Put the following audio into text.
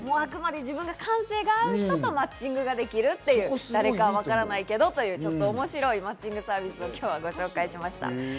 自分の感性が合う人とマッチングができる、誰かはわからないけどという面白いマッチングサービスを今日はご紹介しました。